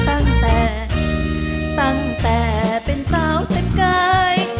ตั้งแต่ตั้งแต่เป็นสาวเต็มกาย